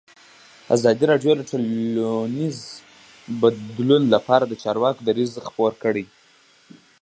ازادي راډیو د ټولنیز بدلون لپاره د چارواکو دریځ خپور کړی.